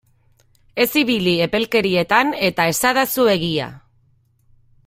Ez ibili epelkerietan eta esadazu egia!